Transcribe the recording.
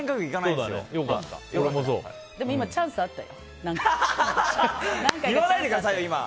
でも今、チャンスあったよ。